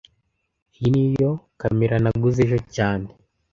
Iyi niyo kamera naguze ejo cyane